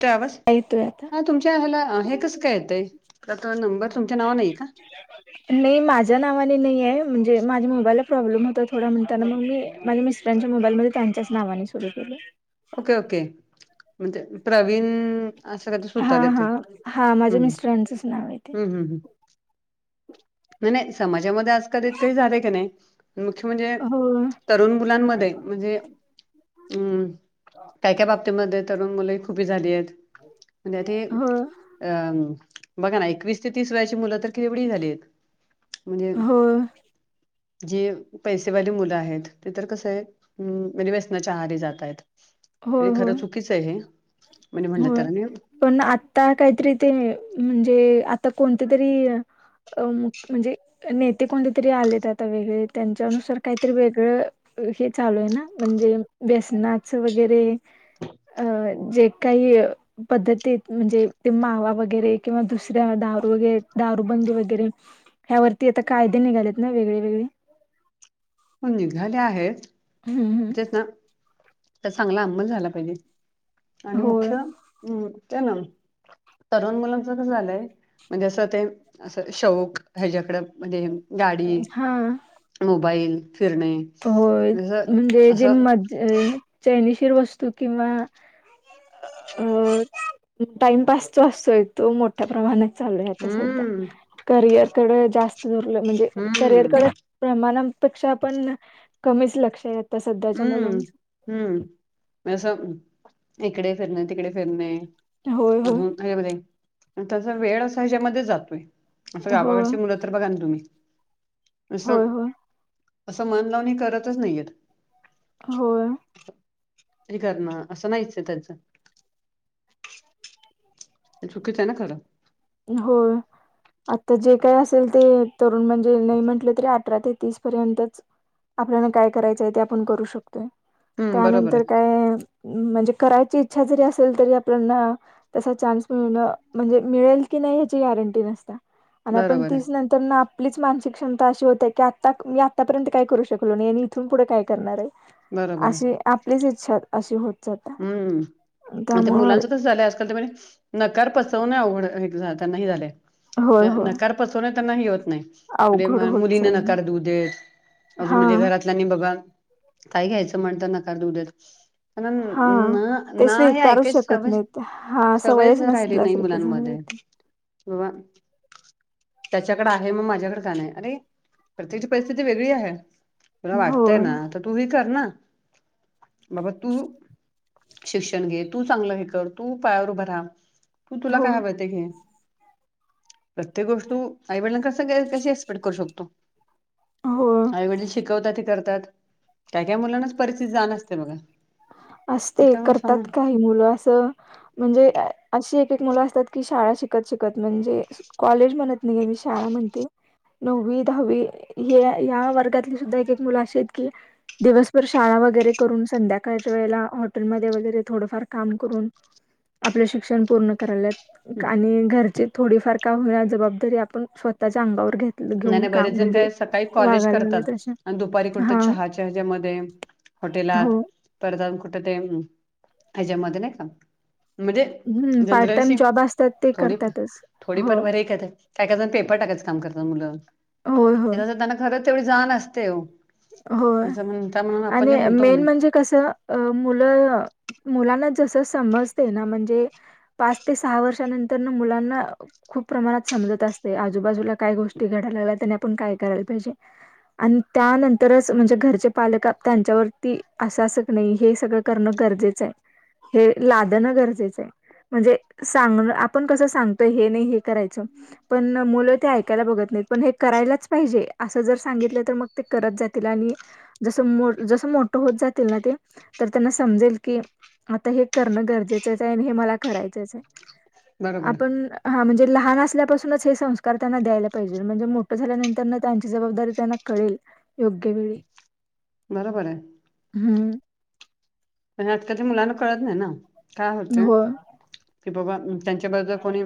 Travels. येतोय आता हा तुमच्या ह्याला हे कसं काय येतय? त नंबर तुमच्या नावन नाही का? नाही माझ्या नावाने नाही आहे. म्हणजे माझ्या मोबाईलला प्रॉब्लेम होत थोडा. म्हणताना मग मी माझ्या मिस त्यांच्या मोबाईलमध्ये त्यांच्याच नावाने सुरू केलंय. ओके ओके म ते प्रवीण असं कायतर हा सुतार येते. हा हा माझ्या हम्म मिस्टरांचंच नाव आहे ते हम्म हम्म हम्म. नाही -नाही. समाजामध्ये आजकाल इतकरी झाले का नाही. मुख्य म्हणजे हो तरुण मुलांमध्ये म्हणजे हम्म काय -काय बाबतीमध्ये तरुण मुले खूपी झाली आहेत. म त्या ती हो अम बघा ना एकवीस ते तीस वयाची मुलं तर केवढी झाली आहेत. म्हणजे हो जी पैसेवाली मुलं आहेत ते तर कसं आहे म्हणजे व्यसनाच्या आहारी जात आहेत. हो म्हे हो खरं चुकीच आहे म्हणे म्हणलं होय तर. पण आता काहीतरी ते म्हणजे आता कोणते तरी अ म्हणजे नेते कोणते तरी आलेत आता वेगळे त्यांच्यानुसार काहीतरी वेगळं हे चालू आहे ना म्हणजे व्यसनाच वगैरे अ जे काही पद्धतीत म्हणजे ते मावा वगैरे किंवा दुसऱ्या दारू वगैरे दारूबंदी वगैरे. ह्या वरती आता कायदे निघालेत ना वेगळे-वेगळे. पण निघाले आहेत. हम्म. चांगला अंमल झाला पाहिजे, आणि होय मुख्य हम्म त्या ना तरुण मुलांचं कस झालंय म्हणजे असं ते असं शौक ह्याच्याकडे म्हणजे गाडी, हा - मोबाईल, फिरणे. होय जस म्हणजे जे असं मज चायनीशीर वस्तू किंवा अ टाइमपास तो असतोय तो मोठ्या प्रमाणात चालय आता सध्या, हम्म करियरकडे जास्त दुर्ल म्हणजे करिअर हम्म करून प्रमाणापेक्षा पण कमीच लक्ष येत. हम्म हम्म, असं इकडे फिरणे तिकडे फिरणे. होय होय अजून हे मध्ये, मग तस वेळ असा ज्यामध्ये जातोय अस होय गावाकडची मुलं तर बघा ना तुम्ही अस होय, होय, अस मन लावणी करतच नाही येत. होय. हे करणं असं नाहीच त्याचं. चुकीच आहे ना खरं. होय. आता जे काय असेल ते तरुण म्हणजे नाही म्हंटलं तरी अठरा ते तीस पर्यंतच आपल्याला काय करायचंय ते आपण करू शकतोय हम्म बरोबर त्यानंतर आहे काय म्हणजे करायची इच्छा जरी असेल तरी आपल्याना तसा चान्स मिळण म्हणजे मिळेल कि नाही याची गॅरंटी नसता मी आपण बरोबर आहे तीस नंतर तर ना आपलीच मानसिक क्षमता अशी होते आहे की आता मी आतापर्यंत काय करू शकलो नाही आणि इथून पुढे काय करणार आहे. बरोबर आहे अशी आपलीच इच्छा अशी होत जातात. हम्म, ते मुलांचं कस झालंय आजकाल ते म्हणे नकार पचवणे अवघड त्यांना हे झाले होय, होय नकार पचवण त्यांना हे होत नाही. आणि अवघड म होत मुलीने चाललंय. नकार दु देत अजून म्हणजे हां. घरात आणि बघा काय घ्यायचं म्हणत नकार देऊ देत. हां, न, ते ना हे स्वीकारूच ऐकायच शकत सवय, नाहीत. हां, सवयच राहिले नाही नसल्यासारखं झालंय मुलांमध्ये. ते. बाबा त्याच्याकडे आहे मग माझ्याकडे का नाही अरे प्रत्येकची परिस्थिती वेगळी आहे. तुला हो, वाटतंय ना तर तू हे कर ना, बाबा तू शिक्षण घे तू चांगलं हे कर तू पायावर उभं राहा तू तुला हो, काय हवं ते घे. प्रत्येक गोष्ट तू आई-वडिलां कस कशी एक्सपेक्ट करू शकतो. हो, आईवडील शिकवतात ते करतात काय-काय मुलांनाच परिस्थिती जाण असते बघ. असते करतात काही मुलं असं. म्हणजे अशी एक-एक मुलं असतात की शाळा शिकत शिकत म्हणजे कॉलेज म्हणत नाही मी शाळा म्हणते. नववी दहावी हे या वर्गातली सुद्धा एक एक मुलं अशी आहेत की, दिवसभर शाळा वगैरे करून, संध्याकाळ च्या वेळेला हॉटेलमध्ये वगैरे थोडंफार काम करून, आपलं शिक्षण पूर्ण करायल्यात. आणि घरची थोडीफार का होणार जबाबदारी आपण स्वतःच्या अंगावर घेत नाही घेऊन नाही काम बरेच जण, म्हणजे काय सकाळी कॉलेज वागायला करतात. लागलेत अशा आणि दुपारी कुठत हा तरी चहा चहाच्या् याच्यामध्ये हॉटेलात. हो परत अजून कुठ ते. हेच्यामध्ये नाही का? म्हणजे हम्म पार्ट जनरल टाइम अशी जॉब असतात ते थोडी करतातच हो थोडीफार बरे आहे. काय का जण पेपर टाकायचं काम करतात मुलं. होय होय तेच त्यांना खरंच तेवढी जाण असतेय ओ. [unintelligible] होय आपण जे आणि म्हणतो की मेन नाही. म्हणजे कसं मुलं, मुलांना जसं समजते ना म्हणजे. पाच ते सहा वर्षानंतर ना मुलांना. खूप प्रमाणात समजत असते. आजूबाजूला काय गोष्टी घडायला लागल्यात. त्याने आपण काय करायला पाहिजे. आण त्यानं तरच म्हणजे घरचे पालक त्यांच्यावरती अस असं की नाही. हे सगळं करणं गरजेचंय. हे लादणं गरजेचंय. म्हणजे सांगण, आपण कसं सांगतोय हे नाही हे करायच. पण मुलं ते ऐक ऐकायला बघत नाही. पण हे करायलाच पाहिजे. अस जर सांगितलं तर मग ते करत जात तील आणि. जस जस मोठ होत जातील ना ते. तर त्यांना समजेल की आता हे करणं गरजेचचे. अन हे मला करायचचे. बरोबर आपण हा म्हणजे लहान असल्यापासूनच हे संस्कार त्यांना द्यायला पाहिजे. म्हणजे मोठं झाल्यानंतर ना त्यांची जबाबदारी त्यांना कळेल. योग्य वेळी. बरोबर आहे. हम्म. पण आजकालच्या मुलांना कळत नाही ना. काय होते. होय कि बाबा त्यांच्याबद्दल कोणी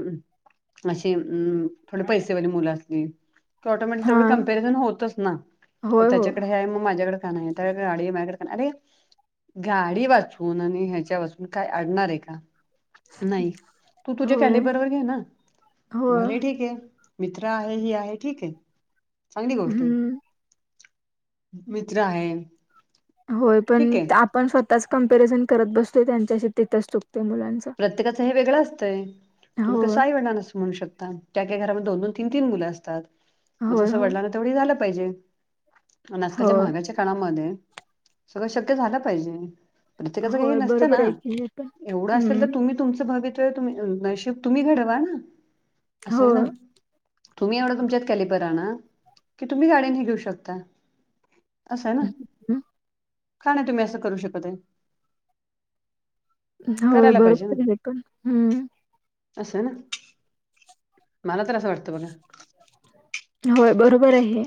अशी अम थोडी पैसेवाली मुलं असली. ऑटोमॅटिक हा तेवढं कंपॅरिझन होतच ना. की होय हो त्याच्याकडे आहे. मग माझ्याकडे का नाही? त्याकडे गाडी आहे मायाकडे का नाही? अरे. गाडी वाचून आणि ह्याच्या वाचून काय अडणारे का? नाही. तू तुझ्या होय कॅलेबर वर घे ना. होय भले ठीके. मित्र आहे, ही आहे ठीके. चांगली गोष्टय. हम्म मित्र आहे. होय ठीक पण आहे. आपण स्वतःच कंमपेरिझन करत बसतोय त्यांच्याशी. तिथंच चुकते मुलांच. प्रत्येकाचं हे वेगळं असतंय. तुम्ही होय कसं आईवडलांना अस म्हणू शकता. काही काही घरामध्ये दोन दोन तीन तीन मुलं असतात. मग होय तसं होय वडलांना तेवढी हे झालं पाहिजे. आणि आजकालच्या होय महागाईच्या काळामध्ये, सगळं शक्य झालं पाहिजे. प्रत्येकाचं हे होय नसतं बरोबर ना. आहे की हे पण एवढं अस हम्म तुम्ही तुमचं भवितव्य तुम्ही नशिब तुम्ही घडवा ना. असंय होय ना. तुम्ही एवढं तुमच्यात कॅलिबर आणा. कि तुम्ही गाड्यान हे घेऊ शकता. असंय ना? हं, का नाही तुम्ही असं करू शकते? हो करायला बरोबर [unintelligible] हे पण हम्म. असंय ना. मला तर असं वाटतं बघा. होय बरोबरे हे.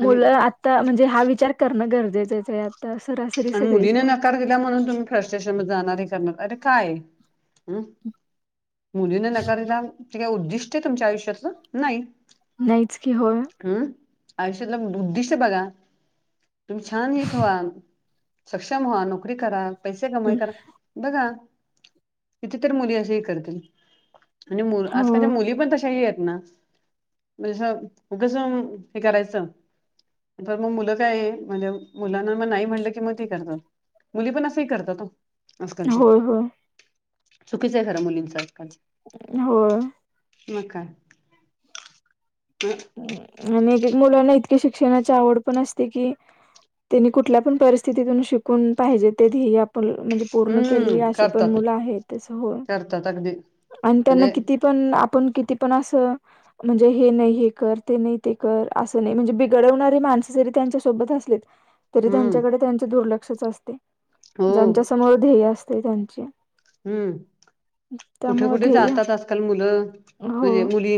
आणि मुलं आ आता म्हणजे हा विचार करणं गरजेचंचे आता सरास. आणि मुलीने नकार दिला म्हणून तुम्ही फ्रस्ट्रेशन मधे जाणार. हे करणार. अरे काय हे? हम्म. मुलीने नकार दिला. ते काय उद्दिष्टय तुमच्या आयुष्यातलं? नाही. नाहीच की. होय. हम्मं आयुष्यांतला उद्दिष्टं बघां तुम्हीं छान हे सक्षंम व्हां नोकरी करां पैसे कमांई करां बघां किती तरी मुली असे हे करतील आणि मुंबई हो आंजकांलच्या मुली पणं तशांही आहेतं नां म्हणजे असं कसं हे करायचं पणं मंग मुलं कायं आहे म्हं मुलांना मं नाहीं म्हटलं की मंग. करतांत मुली पणं असं करतातो आंजकांलच्या. होय होय चुकीचं आहे खरं मुलींचं आंजकांल. हो. मं कायं. आणि मुलांना इतकं यां शिक्षणांची आंवड पणं असते कि. त्यांनी कुठल्यां पणं परिस्थितीतूंन शिकूंन पाहिजे ते. म्हणजे पूर्ण केलेली हम्म अशी पणं करतात मुलं आहेतं हो करतात अगदी आणि त्यांना म्हणजे किती. पणं आपणं किती पणं असं म्हणजे हे नाहीं हे. करं ते नाहीं ते करं असं नाहीं म्हणजे बिघडवणारी माणसं जरी त्यांच्या सोबतं असलेत तरी हम्म त्यांच्याकडे त्यांचे दुर्लक्षच असतेय ज्यांच्या समोर ध्येय असतंय त्यांचे हम्मं कुंठे त्यामुळे कुंठे ध्येय जातांत आंजकांल मुलं. हो म्हणजे मुली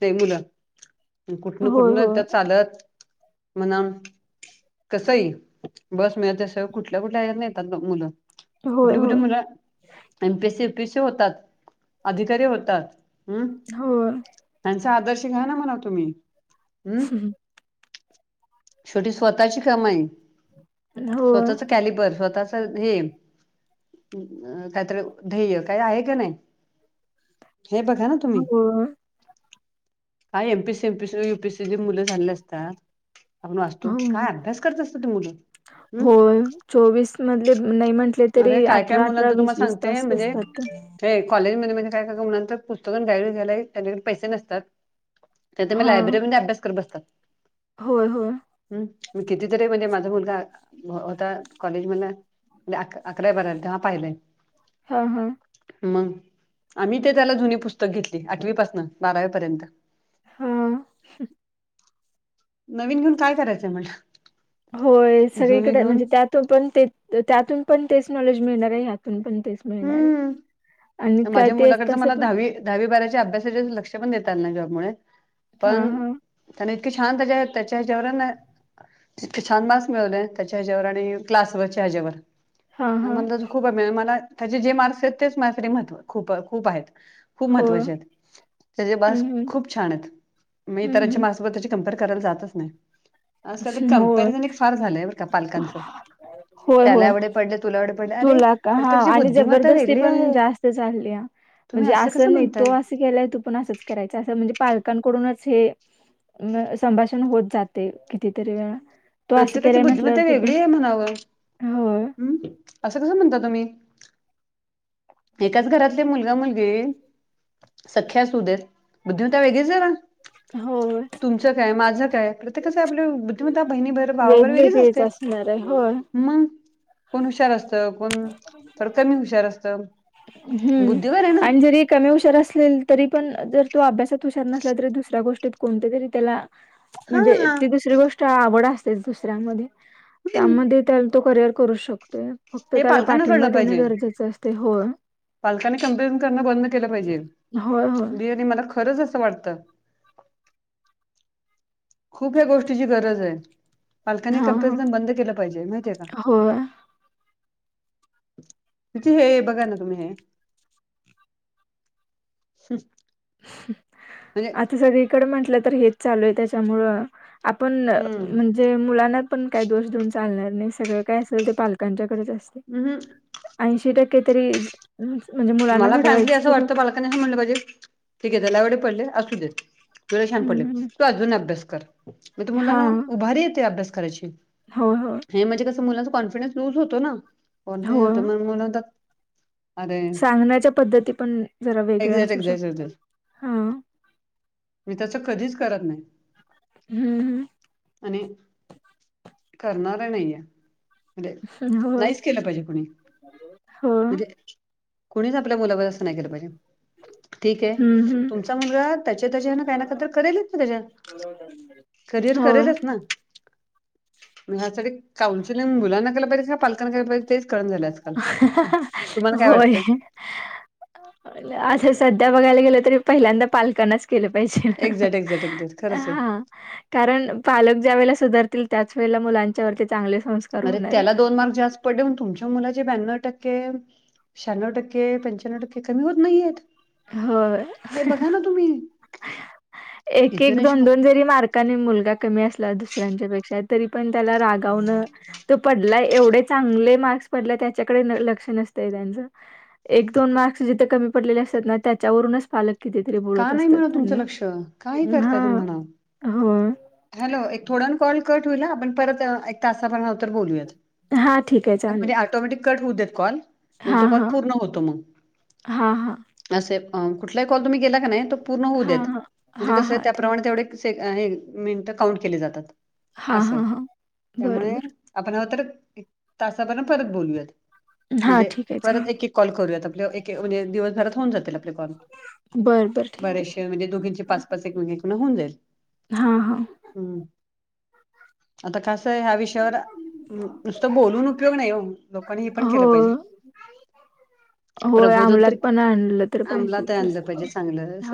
ते मुलं कुठंन होय कुठंन होय त्यां चालतं. म्हणांम कसंही बसं मिळतं सं कुठल्यां कुठल्यां य नाहीेतांत मुलं. होय होय कुंठली कुंठे मुलं. एमपीएसी एपीएसी होतांत अधिकांरी होतांत हम्मं होय त्यांचा आदर्श घ्यां नां म्हणां तुम्हीं हम्मं शेवटी स्वंतःची कामांई होय होय स्वंतःचं. कालीब स्वंतः. असेल ते कांहींतरी ध्येंय कांहीं आहे कां नाहीं हे बघां नां तुम्हीं. कायं एमपीसी एमपीसी युपीएससी मुलं चाले असतांत. आपणं वाचतो होय कायं अभ्यास करतं असतं ते मुलं हम्मं होय चोवीस मधंले नाहीं म्हटले तरी अरे काय काय अठरा अठरा मुलांत वीस तुम्हाला वीस सांगते तासं म्हणजे दिसतांत. हे कॉलेज मध्यें म्हणजे कायं कायं म्हणां तरं पुस्तकं घांय घयलांय त्यांच्याकडे पैसे नसतांत. त्यांच्यामुळे ते लायब्ररीमध्यें अभ्यास करतं बसतांत. होयं होयं. हम्मं मं कितीतरी म्हणजे माझां मुलंगा होतां कॉलेज मलां. अकरा बारा नंतर तेंव्हा पाहिलंय. हां हां. मंग आम्हीं ते त्यांला जुनी पुस्तकं घेतली आठवीपासन बारावीपर्यंत. हम्मं. नवीन घेऊंन कायं करायचंय तुला होयं सगळींकडे म्हणजे त्यांत पणं ते त्यांतून पणं तेचं नॉलेज मिळणारं आहे ह्यांतूनं पणं. ते मिळणांरे हम्म आणि माझ्या कायं तेसं मुलाकडचं तसं मला पणं. दहावी दहावी बाराच्या अभ्यासाचे लंक्ष पणं देतांल नां जॉब मुळे हा पणं. हा त्यां इतके छान त्यांच्या त्यांच्या ह्यांच्यावर. इतके छान मार्क्स मिळवले त्यांच्या ह्यांच्यावर आणि क्लासवरच्यां ह्यांवर. हा हा मलां त्यां खूंप मलां त्यांचे जे मार्क्स आहेतं तेचं माझंसाठी महत्व खूंप खूंप आहेतं. खूंप होय महत्त्वाचे आहेत त्यां बांस हम्म हम्म खूंप छान आहेतं मं हम्म इतरांच्या मां. त्यां कमपेअर करांयला जायचं नाहीं आंजकांल तरं हम्म होय कंपॅरिझन एक फांर झालंय बरं कां पालकांच. होय होय त्याला एवढे पडले तुला एवढे पडले अरे तुला प्रत्येकाची बुद्धिमत्ता वेगळी आहे. ते झालीय तुम्ही म्हणजे असं आस कसं नाही तो म्हणताय आस ती गेल्यावर पण असंच करायचा असं म्हणजे पालकांकडूनच हे म संभाषण होत जातय कितीतरी वेळा. तो असं प्रत्येकाची केलाय म्हटल्यावर बुद्धिमत्ता तू पण वेगळी हाय म्हणावं होय हम् असं कसं म्हणता तुम्ही. एकाच घरातले मुलगा मुलगी सख्या असू देत. बुद्धिमता वेगळीच जरा होय. तुमचं काय माझं काय प्रत्येकचं आपल्या बुद्धिमत्ता बहिणी भर भावाबर वेगळीच वेगवेगळीच असते. असणार आहे होय. मग कोण हुशार असतं कोण थोडं कमी हुशार असत. हम्म आणि जरी कमी हुशार असलेल तरी पण जर तो अभ्यासात हुशार नसला तरी दुसऱ्या गोष्टीत कोणते तरी त्याला म्हणजे हा ती दुसरी गोष्ट आवड असतेच दुसऱ्यांमध्ये हम्म. त्यामध्ये तर तो करिअर करूच शकतोय फक्त हे त्याला पालकांना पाठिंबा कळलं देणं पाहिजे गरजेचं असतय हो. पालकांनी कंप्लेंट करणं बंद केलं होय, होय. पाहिजे मला [unintelligible] खरंच असं वाटतं. खूप ह्या गोष्टीची गरजय पालकांनी कमपेरिझन बंद केलं पाहिजे माहितीय का. हो. किती हे बघा ना तुम्ही हे हम. हम आता सगळीकडे म्हंटलं तर हेच चालू हाय त्याच्यामुळं आपण हम्म म्हण ते मुलांना पण काय दोष देऊन चालणार नाही सगळं काय असेल ते पालकांच्याकडच असत. हम हम. ऐंशी टक्के तरी म्हणजे मुलांना घडवायचं त्यानं ह म्हलं पाहिजे ठीकय तेला एवढे पाढले असुडेत [unintelligible] हं, हं. तू अजून अभ्यास कर मग तु मुलांना हां. उभारी येते अभ्यास करायची. होय हो. हे म्हणजे कसं मुलाचा कॉन्फिडन्स लूज होतो ना [unintelligible] होय. सांगण्याच्या पद्धती पण जरा वेगळ्या एक्झॅक्ट असू एक्झॅक्ट शक एक्झॅक्ट हा. मी त्याच कधीच करत नाय. हम्म हम्. आणि करणार नाहीये. म्हणजे होय, नाहीच केलं पाहिजे कुणी होय. म्हणजे कुणीच आपल्या मुलावर असं नाय केलं पाहिजे. ठीकेय हं, हं. तुमचा मुलगा त्याच्या त्याच्यान काय ना काय तर करेलच ना त्याच्यात. [unintelligible] करिअर होय. करेलच ना. म ह्यासाठी काउन्सलिंग मुलांना केलं पाहिजे का पालकांना केलं पाहिजे तेच कळण झालयं आज. काल तुम्हाला काय वाटतंय? [inaudible] आशा सध्या बघायला गेलं तरी पहिल्यांदा पालकांनाच केलं पाहिजे एक्झॅक्ट एक्झॅक्ट एक्झॅक्ट खरंच आहे. हा. कारण पालक ज्या वेळेला सुधारतील त्याच वेळेला मुलांच्यावरती चांगले संस् अरे त्याला दोन मार्क जास्त पडले तुमच्या मुलाचे ब्यान्णव टक्के शहाण्णव टक्के पंच्याण्व टक्के कमी होत नाहीयेत. होय. हे बघा ना तुम्ही एक, इतर एक दोन, रेश्मा दोन जरी मार काने मुलगा कमी असला दुसऱ्यांच्या पेक्षा तरी पण त्याला रागवणं तो पडला एवढे चांगले मार्क्स पडले त्याच्याकडे लक्ष नसतय त्यांचं एक दोन मार्क्स जिथे कमी पडलेले असतात ना त्याच्यावरूनच पालक कितीतरी बोलत असतात त्यांना छ का हे हा करताय तुम्ही म्हणा. होय हॅलो एक थोड्या वेळानं कॉल कट होईल आपण परत एक तासा भरानंतर बोलूयात हां, ठीक आहे चालेल. म्हणजे ऑटोमॅटिक कट होऊ देत कॉल म्हणजे तो हां, कॉल हां. पूर्ण होतो मग हां, हां. असय कुठलाही कॉल तुम्ही गेला का नाही तो पूर्ण होऊ देत हां, हां. म्हणजे हां, कसंय हां. ठीक. त्याप्रमाणे तेवढे से मिनट काउंट केले जातात हां, असय हां, हां. त्यामुळे बरं, बरं. आपण ह तर तास आपण परत बोलूयात हां, म्हणजे ठीक आहे परत चालेल. एक, एक कॉल करुयात आपल एक म्हणजे दिवसभरात होऊन जातील आपले कॉल बरं, बरं ठीक आहे. बरेचशे जे म्हणजे दोघींचे पाच, पाच एकमेकी होऊन जाईल हा, हा हम्म आता कस आहे ह्या विषयावर हम्म नुसतं बोलून उपयोग नाही हो लोकांनी हे पण हो. केलं पाहिजे होय, प्रबोधन अंमलात तरी पण आणलं तर पाहिजे आमलात ई आणलं पाहिजे तसं. चांगलं अस